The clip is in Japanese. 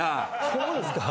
そうですか？